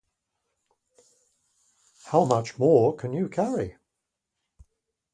how much more can you carry?